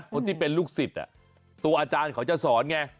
คนที่เป็นลูกศิษย์ตัวอาจารย์เขาจะสอนไง